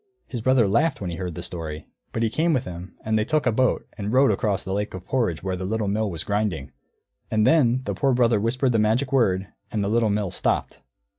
His brother laughed when he heard the story, but he came with him, and they took a boat and rowed across the lake of porridge to where the Little Mill was grinding. And then the Poor Brother whispered the magic word, and the Little Mill stopped.